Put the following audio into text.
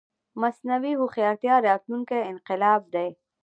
مصنوعي هوښيارتيا راتلونکې انقلاب دی